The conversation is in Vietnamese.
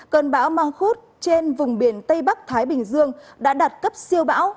cơn bão mò khút trên vùng biển tây bắc thái bình dương đã đạt cấp siêu bão